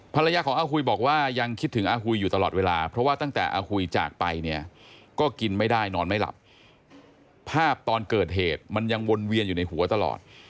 ภรรยาของอาหุยบอกว่ายังคิดถึงอาหุยอยู่ตลอดเวลาเพราะว่าตั้งแต่อาหุยจากไปเนี่ยก็กินไม่ได้นอนไม่หลับภาพตอนเกิดเหตุมันยังวนเวียนอยู่ในหัวตลอด